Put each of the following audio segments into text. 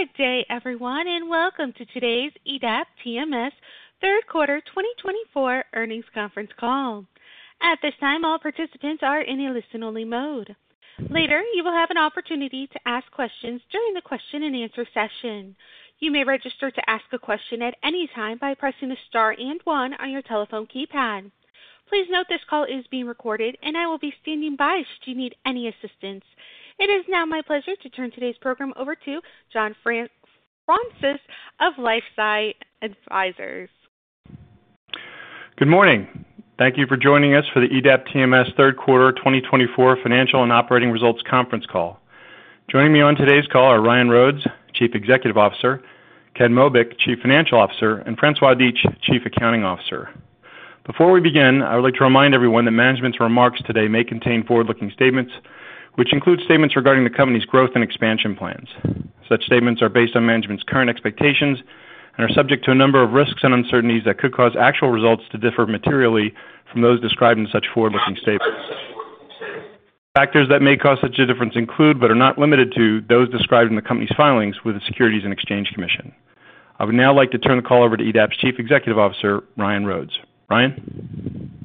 Good day, everyone, and welcome to today's EDAP TMS Third Quarter 2024 Earnings Conference Call. At this time, all participants are in a listen-only mode. Later, you will have an opportunity to ask questions during the question-and-answer session. You may register to ask a question at any time by pressing the star and one on your telephone keypad. Please note this call is being recorded, and I will be standing by should you need any assistance. It is now my pleasure to turn today's program over to John Fraunces of LifeSci Advisors. Good morning. Thank you for joining us for the EDAP TMS Third Quarter 2024 financial and operating results conference call. Joining me on today's call are Ryan Rhodes, Chief Executive Officer, Ken Mobeck, Chief Financial Officer, and François Dietsch, Chief Accounting Officer. Before we begin, I would like to remind everyone that management's remarks today may contain forward-looking statements, which include statements regarding the company's growth and expansion plans. Such statements are based on management's current expectations and are subject to a number of risks and uncertainties that could cause actual results to differ materially from those described in such forward-looking statements. Factors that may cause such a difference include, but are not limited to, those described in the company's filings with the Securities and Exchange Commission. I would now like to turn the call over to EDAP's Chief Executive Officer, Ryan Rhodes. Ryan.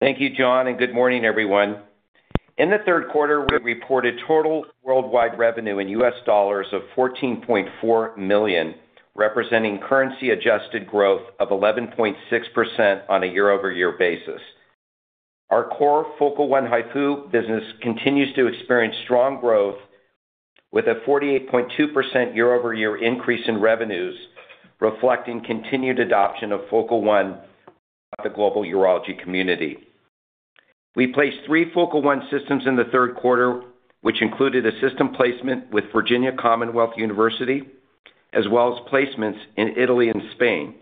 Thank you, John, and good morning, everyone. In the third quarter, we reported total worldwide revenue in U.S. dollars of $14.4 million, representing currency-adjusted growth of 11.6% on a year-over-year basis. Our core Focal One HIFU business continues to experience strong growth, with a 48.2% year-over-year increase in revenues, reflecting continued adoption of Focal One throughout the global urology community. We placed three Focal One systems in the third quarter, which included a system placement with Virginia Commonwealth University, as well as placements in Italy and Spain.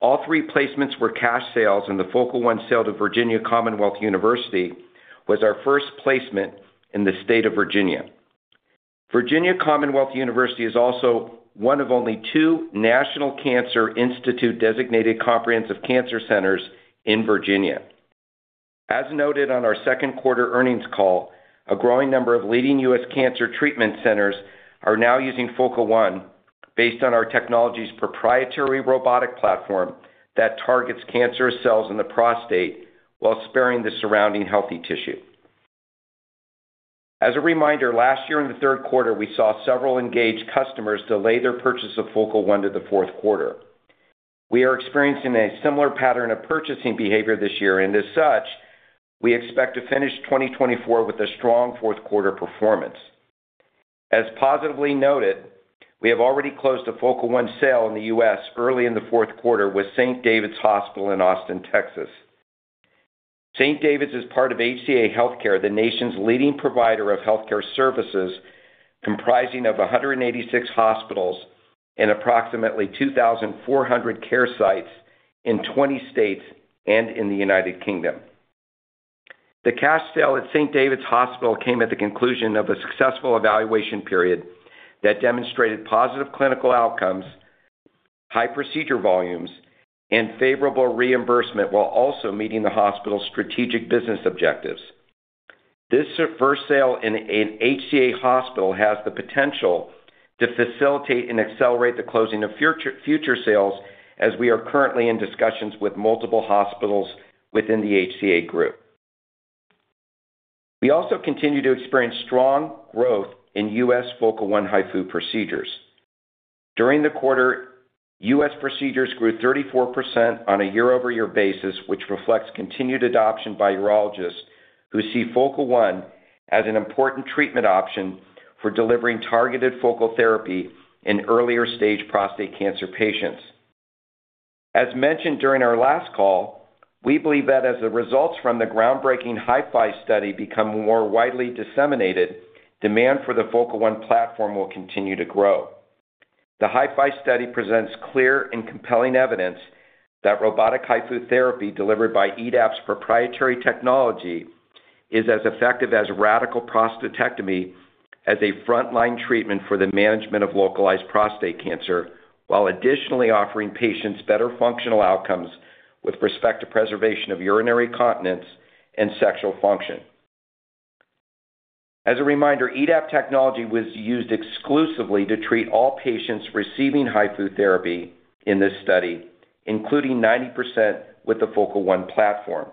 All three placements were cash sales, and the Focal One sale to Virginia Commonwealth University was our first placement in the state of Virginia. Virginia Commonwealth University is also one of only two National Cancer Institute-designated comprehensive cancer centers in Virginia. As noted on our second quarter earnings call, a growing number of leading U.S. cancer treatment centers are now using Focal One, based on our technology's proprietary robotic platform that targets cancerous cells in the prostate while sparing the surrounding healthy tissue. As a reminder, last year in the third quarter, we saw several engaged customers delay their purchase of Focal One to the fourth quarter. We are experiencing a similar pattern of purchasing behavior this year, and as such, we expect to finish 2024 with a strong fourth quarter performance. As positively noted, we have already closed a Focal One sale in the U.S. early in the fourth quarter with St. David's Hospital in Austin, Texas. St. David's is part of HCA Healthcare, the nation's leading provider of healthcare services, comprising of 186 hospitals and approximately 2,400 care sites in 20 states and in the United Kingdom. The cash sale at St. David's Hospital came at the conclusion of a successful evaluation period that demonstrated positive clinical outcomes, high procedure volumes, and favorable reimbursement, while also meeting the hospital's strategic business objectives. This first sale in an HCA hospital has the potential to facilitate and accelerate the closing of future sales, as we are currently in discussions with multiple hospitals within the HCA group. We also continue to experience strong growth in U.S. Focal One HIFU procedures. During the quarter, U.S. procedures grew 34% on a year-over-year basis, which reflects continued adoption by urologists who see Focal One as an important treatment option for delivering targeted focal therapy in earlier-stage prostate cancer patients. As mentioned during our last call, we believe that as the results from the groundbreaking HIFI study become more widely disseminated, demand for the Focal One platform will continue to grow. The HIFI study presents clear and compelling evidence that robotic HIFU therapy delivered by EDAP's proprietary technology is as effective as radical prostatectomy as a frontline treatment for the management of localized prostate cancer, while additionally offering patients better functional outcomes with respect to preservation of urinary continence and sexual function. As a reminder, EDAP technology was used exclusively to treat all patients receiving HIFU therapy in this study, including 90% with the Focal One platform.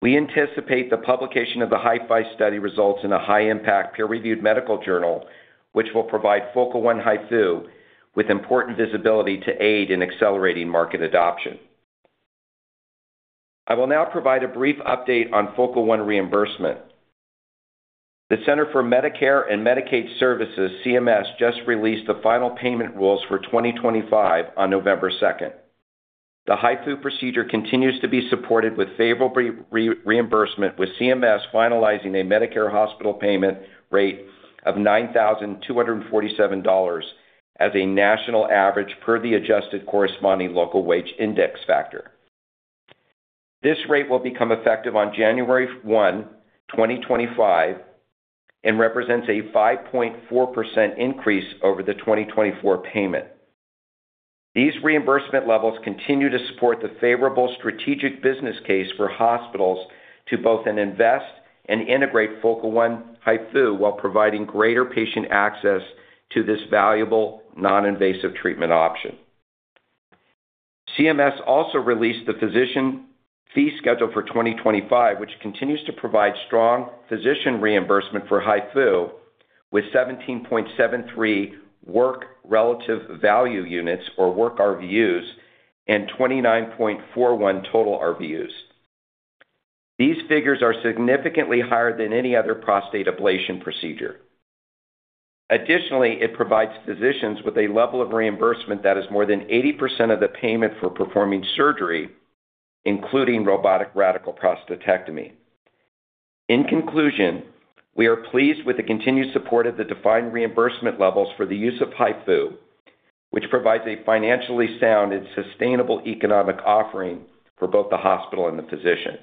We anticipate the publication of the HIFI study results in a high-impact, peer-reviewed medical journal, which will provide Focal One HIFU with important visibility to aid in accelerating market adoption. I will now provide a brief update on Focal One reimbursement. The Centers for Medicare and Medicaid Services (CMS) just released the final payment rules for 2025 on November 2nd. The HIFU procedure continues to be supported with favorable reimbursement, with CMS finalizing a Medicare hospital payment rate of $9,247 as a national average per the adjusted corresponding local wage index factor. This rate will become effective on January 1, 2025, and represents a 5.4% increase over the 2024 payment. These reimbursement levels continue to support the favorable strategic business case for hospitals to both invest and integrate Focal One HIFU while providing greater patient access to this valuable non-invasive treatment option. CMS also released the physician fee schedule for 2025, which continues to provide strong physician reimbursement for HIFU, with 17.73 work relative value units, or Work RVUs, and 29.41 total RVUs. These figures are significantly higher than any other prostate ablation procedure. Additionally, it provides physicians with a level of reimbursement that is more than 80% of the payment for performing surgery, including robotic radical prostatectomy. In conclusion, we are pleased with the continued support of the defined reimbursement levels for the use of HIFU, which provides a financially sound and sustainable economic offering for both the hospital and the physician.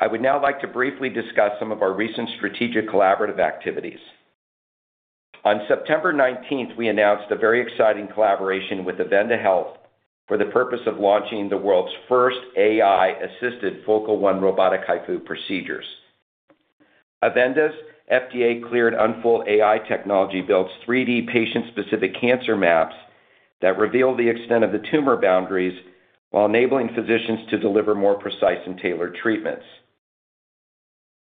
I would now like to briefly discuss some of our recent strategic collaborative activities. On September 19th, we announced a very exciting collaboration with Avenda Health for the purpose of launching the world's first AI-assisted Focal One robotic HIFU procedures. Avenda's FDA-cleared Unfold AI technology builds 3D patient-specific cancer maps that reveal the extent of the tumor boundaries while enabling physicians to deliver more precise and tailored treatments.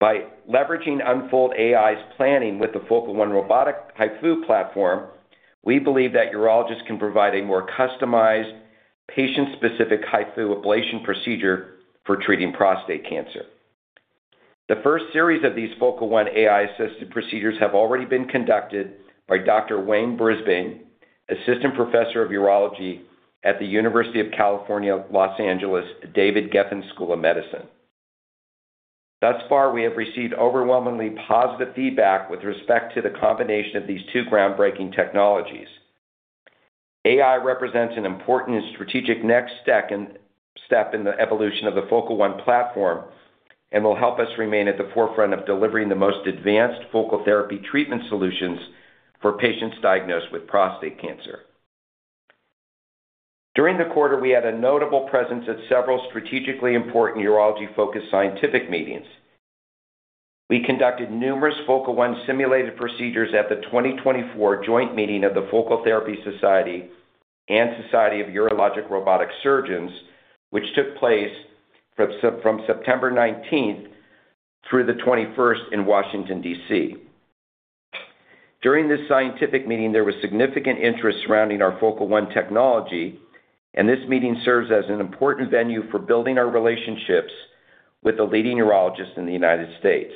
By leveraging Unfold AI's planning with the Focal One robotic HIFU platform, we believe that urologists can provide a more customized, patient-specific HIFU ablation procedure for treating prostate cancer. The first series of these Focal One AI-assisted procedures have already been conducted by Dr. Wayne Brisbane, Assistant Professor of Urology at the University of California, Los Angeles, David Geffen School of Medicine. Thus far, we have received overwhelmingly positive feedback with respect to the combination of these two groundbreaking technologies. AI represents an important and strategic next step in the evolution of the Focal One platform and will help us remain at the forefront of delivering the most advanced focal therapy treatment solutions for patients diagnosed with prostate cancer. During the quarter, we had a notable presence at several strategically important urology-focused scientific meetings. We conducted numerous Focal One simulated procedures at the 2024 joint meeting of the Focal Therapy Society and Society of Urologic Robotic Surgeons, which took place from September 19th through the 21st in Washington, D.C. During this scientific meeting, there was significant interest surrounding our Focal One technology, and this meeting serves as an important venue for building our relationships with the leading urologists in the United States.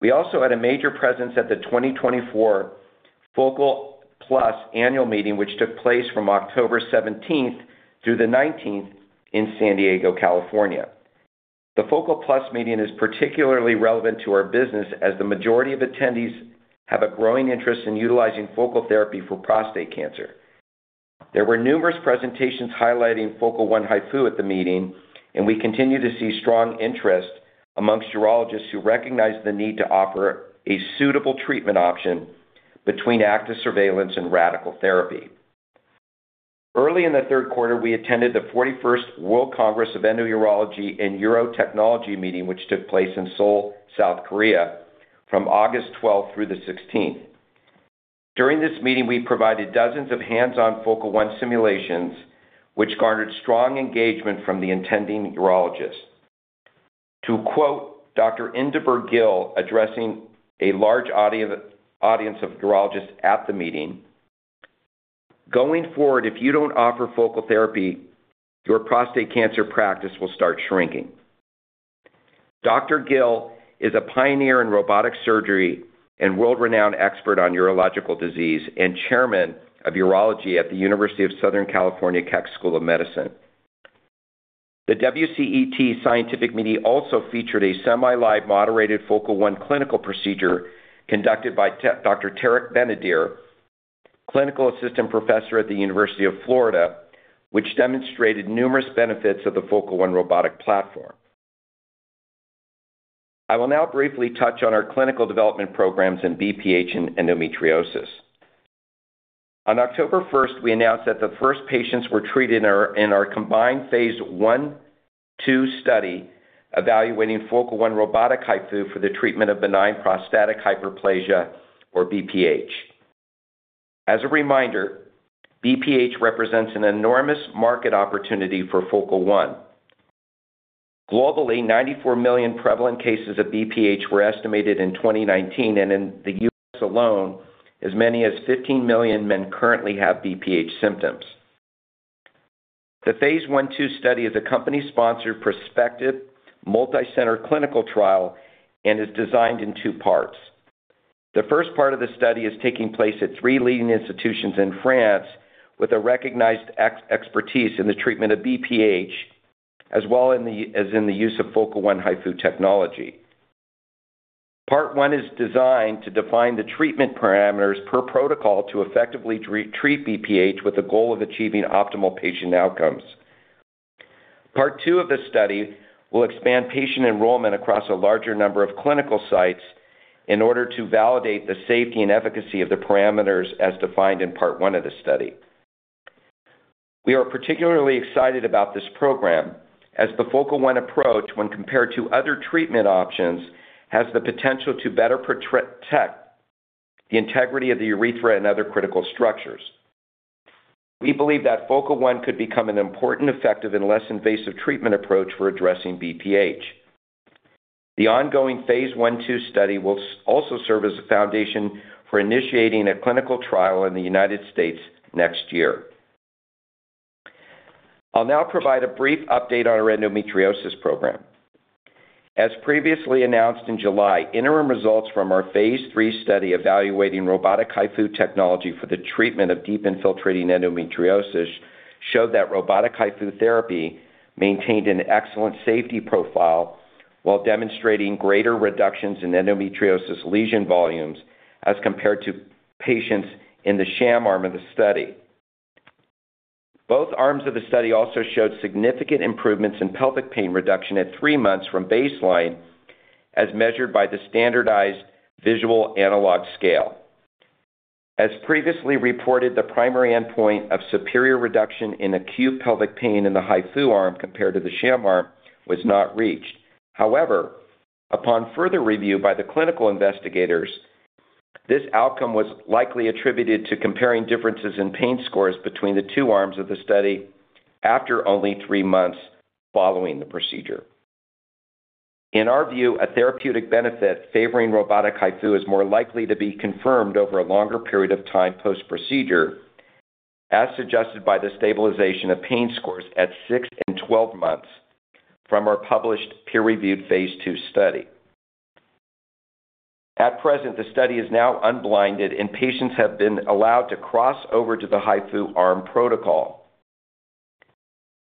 We also had a major presence at the 2024 Focal Plus annual meeting, which took place from October 17th through the 19th in San Diego, California. The Focal Plus meeting is particularly relevant to our business, as the majority of attendees have a growing interest in utilizing focal therapy for prostate cancer. There were numerous presentations highlighting Focal One HIFU at the meeting, and we continue to see strong interest among urologists who recognize the need to offer a suitable treatment option between active surveillance and radical therapy. Early in the third quarter, we attended the 41st World Congress of Endourology and Uro-Technology meeting, which took place in Seoul, South Korea, from August 12th through the 16th. During this meeting, we provided dozens of hands-on Focal One simulations, which garnered strong engagement from the attending urologists. To quote Dr. Inderbir Gill addressing a large audience of urologists at the meeting, "Going forward, if you don't offer focal therapy, your prostate cancer practice will start shrinking." Dr. Gill is a pioneer in robotic surgery and world-renowned expert on urological disease and chairman of urology at the University of Southern California Keck School of Medicine. The WCET scientific meeting also featured a semi-live moderated Focal One clinical procedure conducted by Dr. Tarik Benidir, Clinical Assistant Professor at the University of Florida, which demonstrated numerous benefits of the Focal One robotic platform. I will now briefly touch on our clinical development programs in BPH and endometriosis. On October 1st, we announced that the first patients were treated in our combined phase I/II study evaluating Focal One robotic HIFU for the treatment of benign prostatic hyperplasia, or BPH. As a reminder, BPH represents an enormous market opportunity for Focal One. Globally, 94 million prevalent cases of BPH were estimated in 2019, and in the U.S. alone, as many as 15 million men currently have BPH symptoms. The phase I/II study is a company-sponsored prospective multicenter clinical trial and is designed in two parts. The first part of the study is taking place at three leading institutions in France with a recognized expertise in the treatment of BPH, as well as in the use of Focal One HIFU technology. Part one is designed to define the treatment parameters per protocol to effectively treat BPH with the goal of achieving optimal patient outcomes. Part two of the study will expand patient enrollment across a larger number of clinical sites in order to validate the safety and efficacy of the parameters as defined in part one of the study. We are particularly excited about this program, as the Focal One approach, when compared to other treatment options, has the potential to better protect the integrity of the urethra and other critical structures. We believe that Focal One could become an important effective and less invasive treatment approach for addressing BPH. The ongoing phase I/II study will also serve as a foundation for initiating a clinical trial in the United States next year. I'll now provide a brief update on our endometriosis program. As previously announced in July, interim results from our phase III study evaluating robotic HIFU technology for the treatment of deep infiltrating endometriosis showed that robotic HIFU therapy maintained an excellent safety profile while demonstrating greater reductions in endometriosis lesion volumes as compared to patients in the sham arm of the study. Both arms of the study also showed significant improvements in pelvic pain reduction at three months from baseline, as measured by the standardized visual analog scale. As previously reported, the primary endpoint of superior reduction in acute pelvic pain in the HIFU arm compared to the sham arm was not reached. However, upon further review by the clinical investigators, this outcome was likely attributed to comparing differences in pain scores between the two arms of the study after only three months following the procedure. In our view, a therapeutic benefit favoring robotic HIFU is more likely to be confirmed over a longer period of time post-procedure, as suggested by the stabilization of pain scores at six and 12 months from our published peer-reviewed phase II study. At present, the study is now unblinded, and patients have been allowed to cross over to the HIFU arm protocol.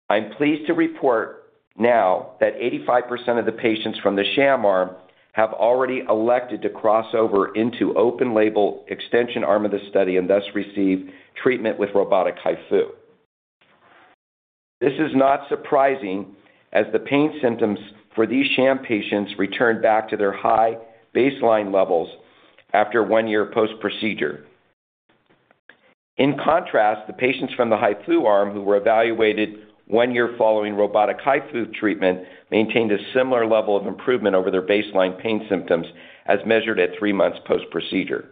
I'm pleased to report now that 85% of the patients from the sham arm have already elected to cross over into open label extension arm of the study and thus receive treatment with robotic HIFU. This is not surprising, as the pain symptoms for these sham patients returned back to their high baseline levels after one year post-procedure. In contrast, the patients from the HIFU arm who were evaluated one year following robotic HIFU treatment maintained a similar level of improvement over their baseline pain symptoms, as measured at three months post-procedure.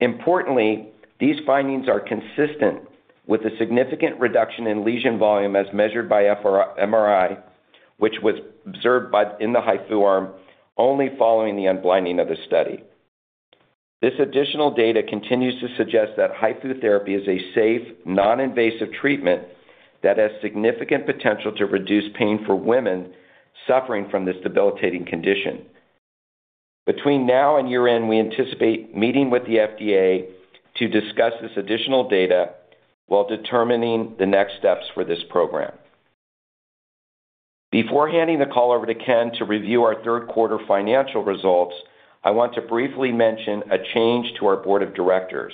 Importantly, these findings are consistent with the significant reduction in lesion volume, as measured by MRI, which was observed in the HIFU arm only following the unblinding of the study. This additional data continues to suggest that HIFU therapy is a safe, non-invasive treatment that has significant potential to reduce pain for women suffering from this debilitating condition. Between now and year-end, we anticipate meeting with the FDA to discuss this additional data while determining the next steps for this program. Before handing the call over to Ken to review our third quarter financial results, I want to briefly mention a change to our board of directors.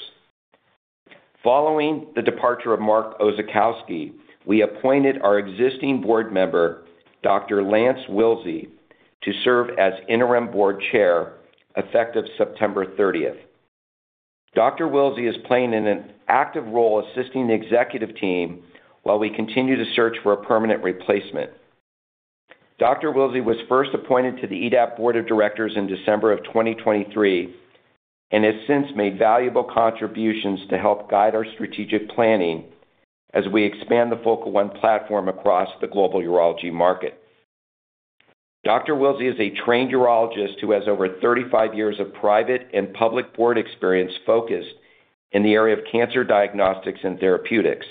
Following the departure of Marc Oczachowski, we appointed our existing board member, Dr. Lance Willsey, to serve as interim board chair effective September 30th. Dr. Willsey is playing an active role assisting the executive team while we continue to search for a permanent replacement. Dr. Willsey was first appointed to the EDAP Board of Directors in December of 2023 and has since made valuable contributions to help guide our strategic planning as we expand the Focal One platform across the global urology market. Dr. Willsey is a trained urologist who has over 35 years of private and public board experience focused in the area of cancer diagnostics and therapeutics.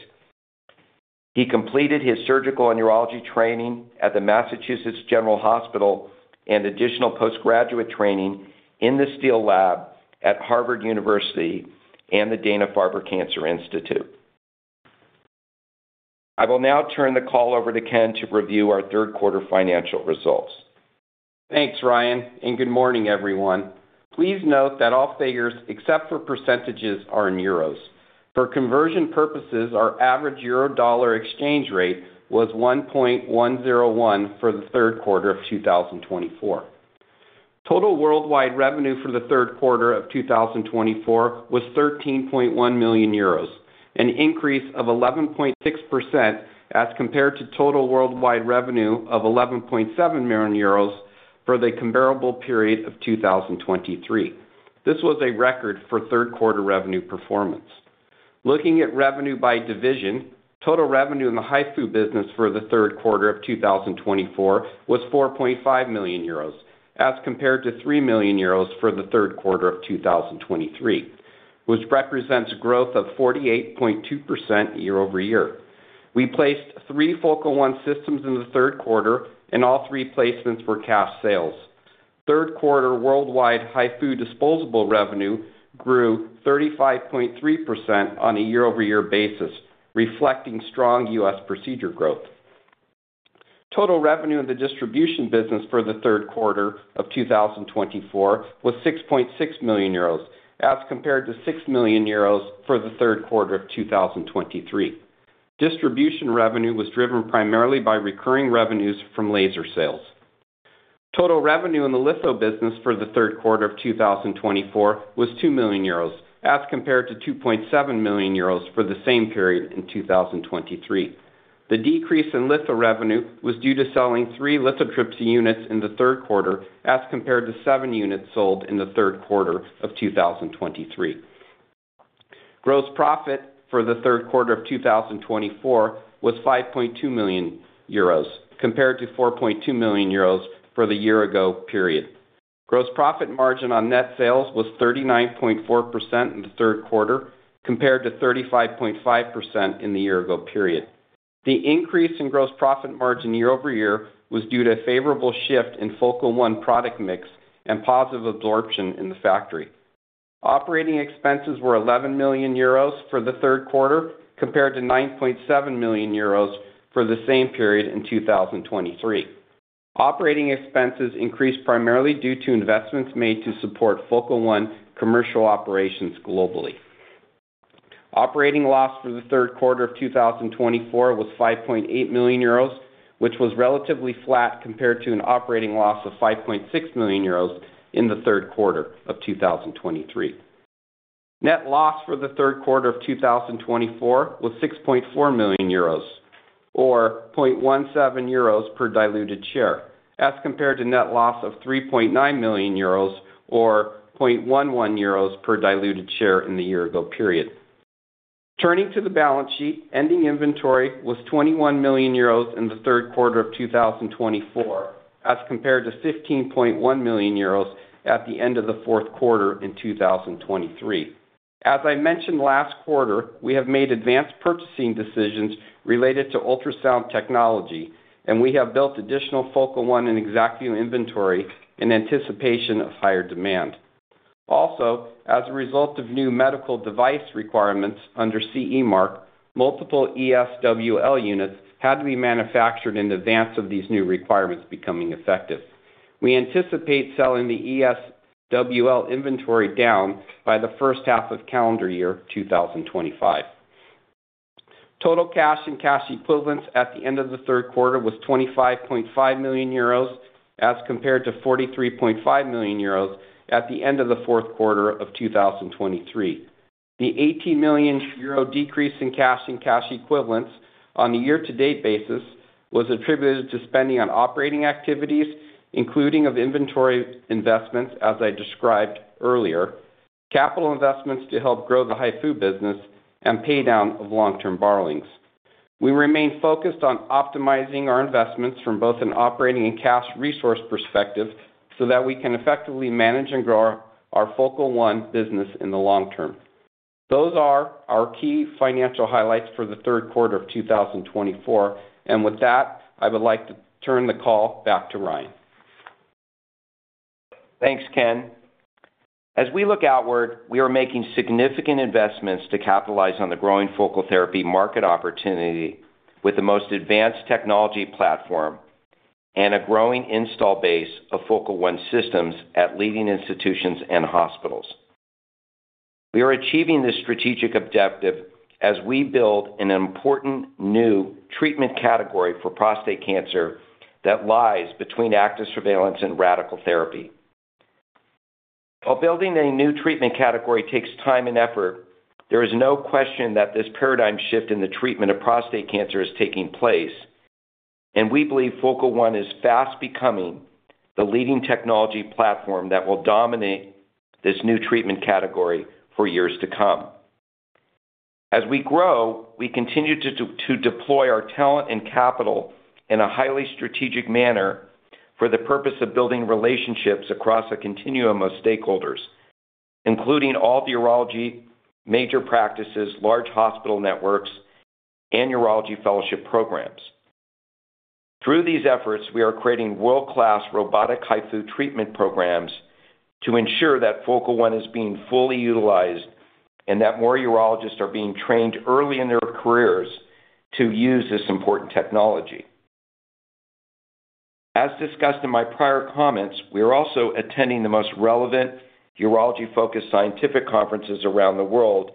He completed his surgical and urology training at the Massachusetts General Hospital and additional postgraduate training in the Steele Lab at Harvard University and the Dana-Farber Cancer Institute. I will now turn the call over to Ken to review our third quarter financial results. Thanks, Ryan, and good morning, everyone. Please note that all figures, except for percentages, are in euros. For conversion purposes, our average euro-dollar exchange rate was 1.101 for the third quarter of 2024. Total worldwide revenue for the third quarter of 2024 was 13.1 million euros, an increase of 11.6% as compared to total worldwide revenue of 11.7 million euros for the comparable period of 2023. This was a record for third quarter revenue performance. Looking at revenue by division, total revenue in the HIFU business for the third quarter of 2024 was 4.5 million euros as compared to 3 million euros for the third quarter of 2023, which represents a growth of 48.2% year-over-year. We placed three Focal One systems in the third quarter, and all three placements were cash sales. Third quarter worldwide HIFU disposable revenue grew 35.3% on a year-over-year basis, reflecting strong U.S. procedure growth. Total revenue in the distribution business for the third quarter of 2024 was 6.6 million euros as compared to 6 million euros for the third quarter of 2023. Distribution revenue was driven primarily by recurring revenues from laser sales. Total revenue in the litho business for the third quarter of 2024 was 2 million euros as compared to 2.7 million euros for the same period in 2023. The decrease in litho revenue was due to selling three lithotripsy units in the third quarter as compared to seven units sold in the third quarter of 2023. Gross profit for the third quarter of 2024 was 5.2 million euros compared to 4.2 million euros for the year-ago period. Gross profit margin on net sales was 39.4% in the third quarter compared to 35.5% in the year-ago period. The increase in gross profit margin year-over-year was due to a favorable shift in Focal One product mix and positive absorption in the factory. Operating expenses were 11 million euros for the third quarter compared to 9.7 million euros for the same period in 2023. Operating expenses increased primarily due to investments made to support Focal One commercial operations globally. Operating loss for the third quarter of 2024 was 5.8 million euros, which was relatively flat compared to an operating loss of 5.6 million euros in the third quarter of 2023. Net loss for the third quarter of 2024 was 6.4 million euros, or 0.17 euros per diluted share, as compared to net loss of 3.9 million euros, or 0.11 euros per diluted share in the year-ago period. Turning to the balance sheet, ending inventory was 21 million euros in the third quarter of 2024 as compared to 15.1 million euros at the end of the fourth quarter in 2023. As I mentioned last quarter, we have made advanced purchasing decisions related to ultrasound technology, and we have built additional Focal One and ExactVu inventory in anticipation of higher demand. Also, as a result of new medical device requirements under CE Mark, multiple ESWL units had to be manufactured in advance of these new requirements becoming effective. We anticipate selling the ESWL inventory down by the first half of calendar year 2025. Total cash and cash equivalents at the end of the third quarter was 25.5 million euros as compared to 43.5 million euros at the end of the fourth quarter of 2023. The 18 million euro decrease in cash and cash equivalents on a year-to-date basis was attributed to spending on operating activities, including inventory investments, as I described earlier, capital investments to help grow the HIFU business, and pay down of long-term borrowings. We remain focused on optimizing our investments from both an operating and cash resource perspective so that we can effectively manage and grow our Focal One business in the long term. Those are our key financial highlights for the third quarter of 2024, and with that, I would like to turn the call back to Ryan. Thanks, Ken. As we look outward, we are making significant investments to capitalize on the growing Focal Therapy market opportunity with the most advanced technology platform and a growing install base of Focal One systems at leading institutions and hospitals. We are achieving this strategic objective as we build an important new treatment category for prostate cancer that lies between active surveillance and radical therapy. While building a new treatment category takes time and effort, there is no question that this paradigm shift in the treatment of prostate cancer is taking place, and we believe Focal One is fast becoming the leading technology platform that will dominate this new treatment category for years to come. As we grow, we continue to deploy our talent and capital in a highly strategic manner for the purpose of building relationships across a continuum of stakeholders, including all the urology major practices, large hospital networks, and urology fellowship programs. Through these efforts, we are creating world-class robotic HIFU treatment programs to ensure that Focal One is being fully utilized and that more urologists are being trained early in their careers to use this important technology. As discussed in my prior comments, we are also attending the most relevant urology-focused scientific conferences around the world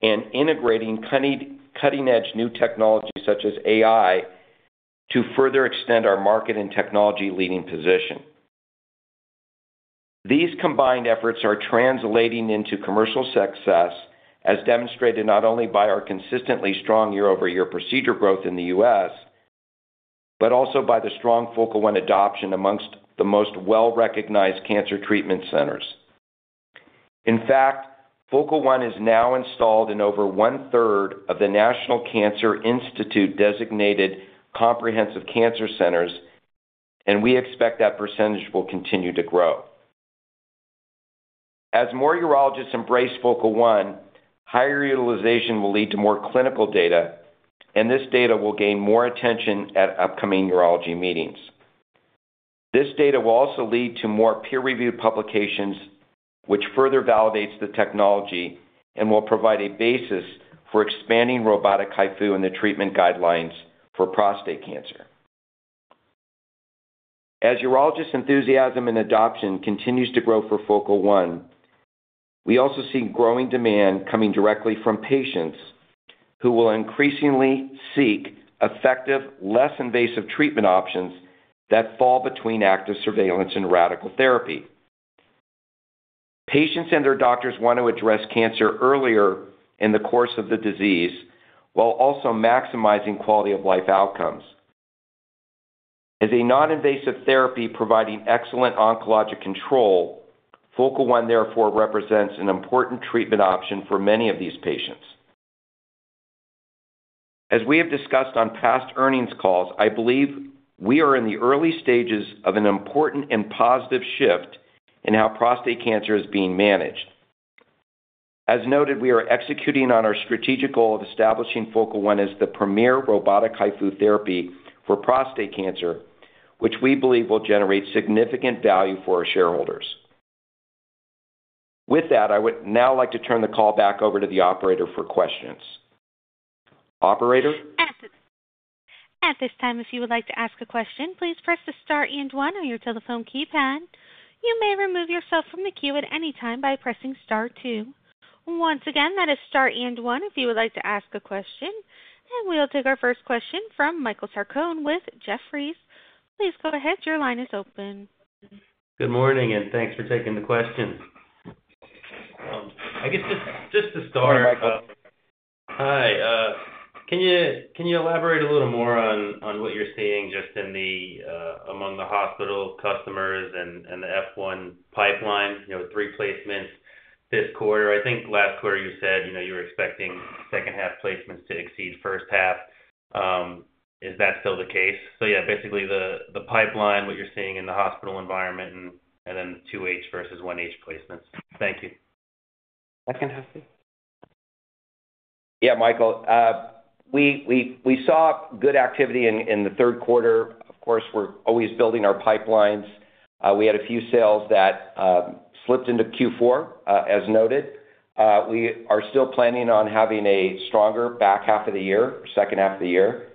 and integrating cutting-edge new technology such as AI to further extend our market and technology leading position. These combined efforts are translating into commercial success, as demonstrated not only by our consistently strong year-over-year procedure growth in the U.S., but also by the strong Focal One adoption among the most well-recognized cancer treatment centers. In fact, Focal One is now installed in over one-third of the National Cancer Institute-designated comprehensive cancer centers, and we expect that percentage will continue to grow. As more urologists embrace Focal One, higher utilization will lead to more clinical data, and this data will gain more attention at upcoming urology meetings. This data will also lead to more peer-reviewed publications, which further validates the technology and will provide a basis for expanding robotic HIFU in the treatment guidelines for prostate cancer. As urologists' enthusiasm and adoption continues to grow for Focal One, we also see growing demand coming directly from patients who will increasingly seek effective, less invasive treatment options that fall between active surveillance and radical therapy. Patients and their doctors want to address cancer earlier in the course of the disease while also maximizing quality-of-life outcomes. As a non-invasive therapy providing excellent oncologic control, Focal One therefore represents an important treatment option for many of these patients. As we have discussed on past earnings calls, I believe we are in the early stages of an important and positive shift in how prostate cancer is being managed. As noted, we are executing on our strategic goal of establishing Focal One as the premier robotic HIFU therapy for prostate cancer, which we believe will generate significant value for our shareholders. With that, I would now like to turn the call back over to the operator for questions. Operator. At this time, if you would like to ask a question, please press the star and one on your telephone keypad. You may remove yourself from the queue at any time by pressing star two. Once again, that is star and one if you would like to ask a question. And we'll take our first question from Michael Sarcone with Jefferies. Please go ahead. Your line is open. Good morning, and thanks for taking the question. I guess just to start. Hi, Michael. Hi. Can you elaborate a little more on what you're seeing just among the hospital customers and the F1 pipeline, three placements this quarter? I think last quarter you said you were expecting second-half placements to exceed first half. Is that still the case? So yeah, basically the pipeline, what you're seeing in the hospital environment, and then 2H versus 1H placements. Thank you. I can help you. Yeah, Michael. We saw good activity in the third quarter. Of course, we're always building our pipelines. We had a few sales that slipped into Q4, as noted. We are still planning on having a stronger back half of the year, second half of the year.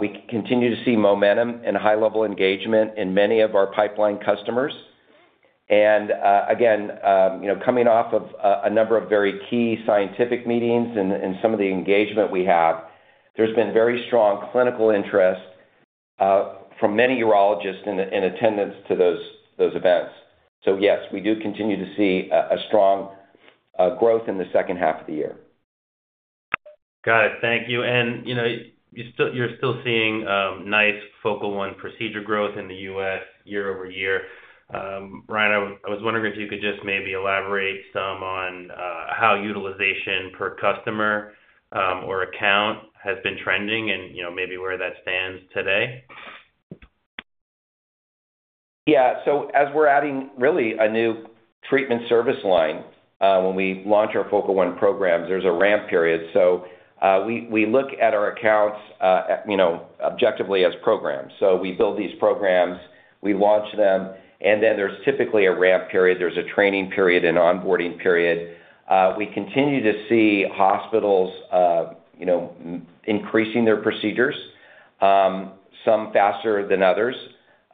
We continue to see momentum and high-level engagement in many of our pipeline customers. And again, coming off of a number of very key scientific meetings and some of the engagement we have, there's been very strong clinical interest from many urologists in attendance to those events. So yes, we do continue to see a strong growth in the second half of the year. Got it. Thank you. And you're still seeing nice Focal One procedure growth in the U.S. year-over-year. Ryan, I was wondering if you could just maybe elaborate some on how utilization per customer or account has been trending and maybe where that stands today? Yeah. So as we're adding really a new treatment service line, when we launch our Focal One programs, there's a ramp period. So we look at our accounts objectively as programs. So we build these programs, we launch them, and then there's typically a ramp period. There's a training period, an onboarding period. We continue to see hospitals increasing their procedures, some faster than others.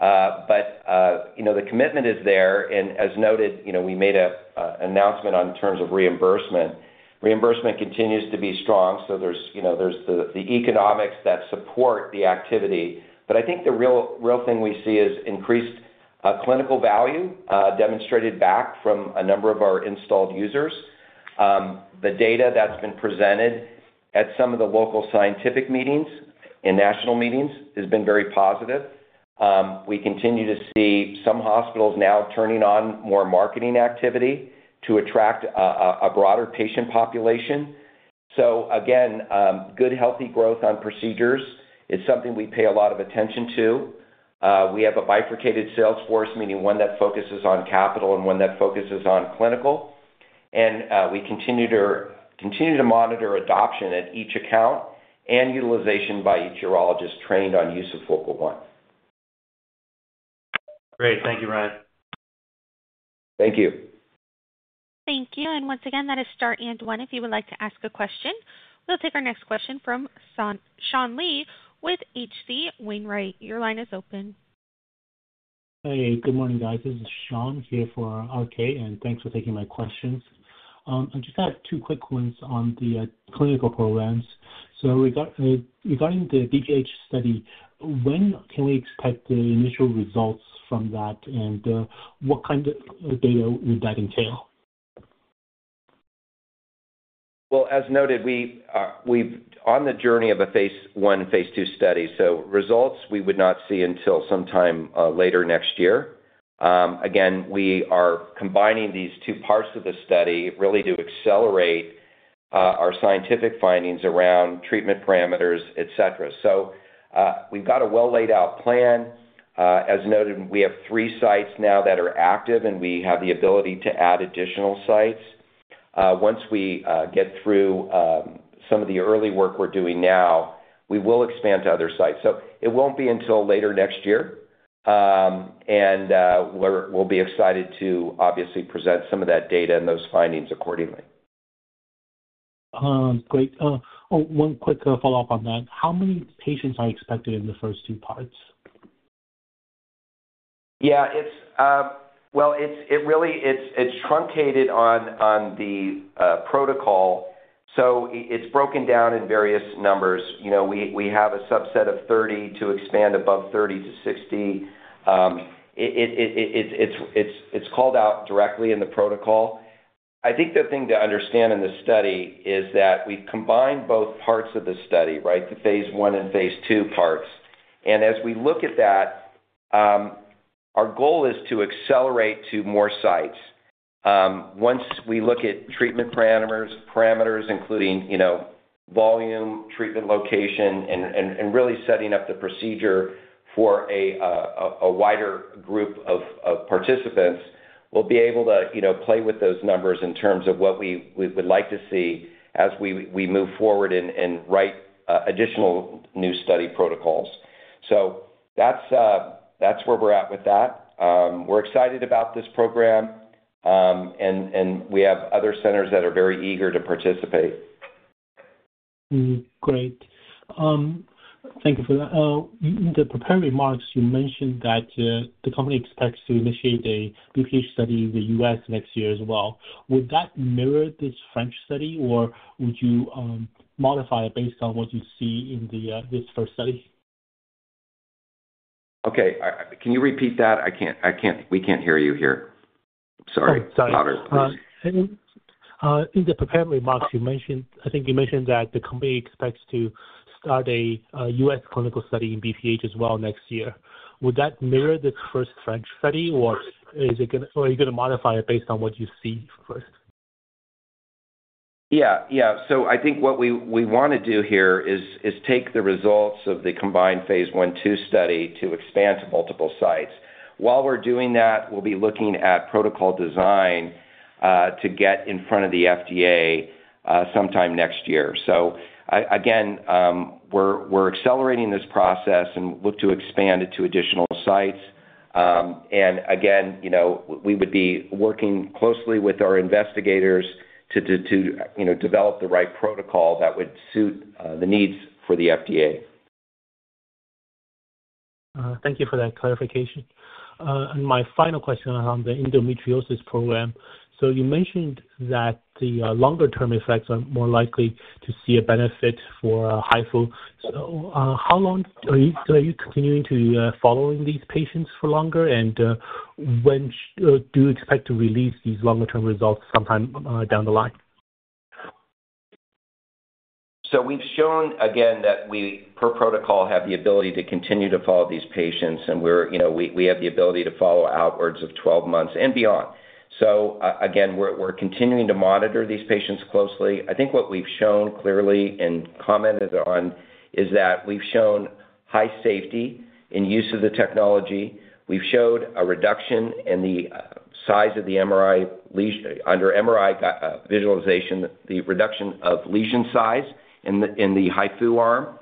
But the commitment is there. And as noted, we made an announcement on terms of reimbursement. Reimbursement continues to be strong. So there's the economics that support the activity. But I think the real thing we see is increased clinical value demonstrated back from a number of our installed users. The data that's been presented at some of the local scientific meetings and national meetings has been very positive. We continue to see some hospitals now turning on more marketing activity to attract a broader patient population. So again, good healthy growth on procedures is something we pay a lot of attention to. We have a bifurcated salesforce, meaning one that focuses on capital and one that focuses on clinical. And we continue to monitor adoption at each account and utilization by each urologist trained on use of Focal One. Great. Thank you, Ryan. Thank you. Thank you. And once again, that is star and one. If you would like to ask a question, we'll take our next question from Sean Lee with H.C. Wainwright. Your line is open. Hey, good morning, guys. This is Sean here for RK, and thanks for taking my questions. I just have two quick ones on the clinical programs. So regarding the BPH study, when can we expect the initial results from that, and what kind of data would that entail? As noted, we're on the journey of a phase I and phase II study. Results we would not see until sometime later next year. Again, we are combining these two parts of the study really to accelerate our scientific findings around treatment parameters, etc. We've got a well-laid-out plan. As noted, we have three sites now that are active, and we have the ability to add additional sites. Once we get through some of the early work we're doing now, we will expand to other sites. It won't be until later next year, and we'll be excited to obviously present some of that data and those findings accordingly. Great. One quick follow-up on that. How many patients are expected in the first two parts? Yeah. Well, it's truncated on the protocol. So it's broken down in various numbers. We have a subset of 30 to expand above 30-60. It's called out directly in the protocol. I think the thing to understand in the study is that we've combined both parts of the study, right, the phase I and phase II parts. And as we look at that, our goal is to accelerate to more sites. Once we look at treatment parameters, including volume, treatment location, and really setting up the procedure for a wider group of participants, we'll be able to play with those numbers in terms of what we would like to see as we move forward and write additional new study protocols. So that's where we're at with that. We're excited about this program, and we have other centers that are very eager to participate. Great. Thank you for that. In the prepared remarks, you mentioned that the company expects to initiate a BPH study in the U.S. next year as well. Would that mirror this French study, or would you modify it based on what you see in this first study? Okay. Can you repeat that? We can't hear you here. Sorry. Sorry. In the prepared remarks, I think you mentioned that the company expects to start a U.S. clinical study in BPH as well next year. Would that mirror this first French study, or are you going to modify it based on what you see first? Yeah. Yeah, so I think what we want to do here is take the results of the combined phase I/II study to expand to multiple sites while we're doing that. We'll be looking at protocol design to get in front of the FDA sometime next year, so again, we're accelerating this process and look to expand it to additional sites, and again, we would be working closely with our investigators to develop the right protocol that would suit the needs for the FDA. Thank you for that clarification. And my final question on the endometriosis program. So you mentioned that the longer-term effects are more likely to see a benefit for HIFU. How long are you continuing to follow these patients for longer, and when do you expect to release these longer-term results sometime down the line? So we've shown, again, that we, per protocol, have the ability to continue to follow these patients, and we have the ability to follow outwards of 12 months and beyond. So again, we're continuing to monitor these patients closely. I think what we've shown clearly and commented on is that we've shown high safety in use of the technology. We've showed a reduction in the size of the MRI under MRI visualization, the reduction of lesion size in the HIFU arm.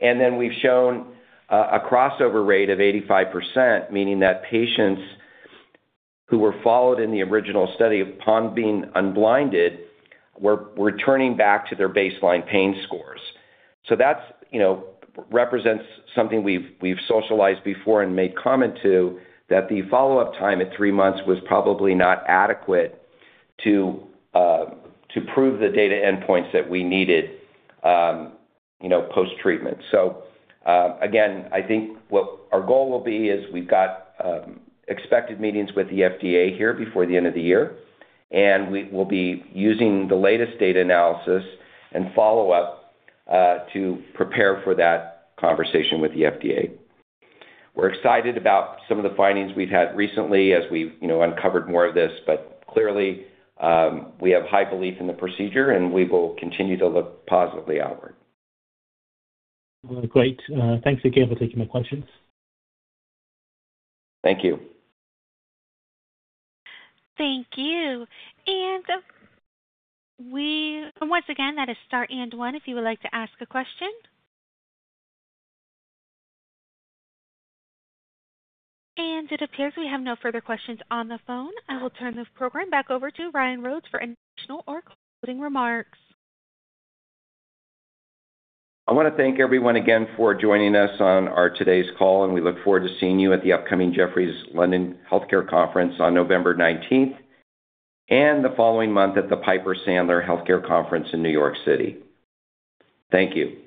And then we've shown a crossover rate of 85%, meaning that patients who were followed in the original study upon being unblinded were turning back to their baseline pain scores. So that represents something we've socialized before and made comment to, that the follow-up time at three months was probably not adequate to prove the data endpoints that we needed post-treatment. So again, I think what our goal will be is we've got expected meetings with the FDA here before the end of the year, and we'll be using the latest data analysis and follow-up to prepare for that conversation with the FDA. We're excited about some of the findings we've had recently as we uncovered more of this, but clearly, we have high belief in the procedure, and we will continue to look positively outward. Great. Thanks again for taking my questions. Thank you. Thank you, and once again, that is star one. If you would like to ask a question, and it appears we have no further questions on the phone. I will turn the program back over to Ryan Rhodes for any additional or closing remarks. I want to thank everyone again for joining us on our today's call, and we look forward to seeing you at the upcoming Jefferies London Healthcare Conference on November 19th and the following month at the Piper Sandler Healthcare Conference in New York City. Thank you.